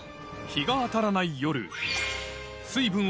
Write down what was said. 日が当たらない